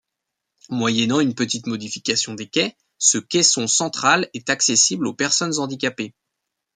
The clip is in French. Moyennant une petite modification des quais, ce caisson central est accessible aux personnes handicapées.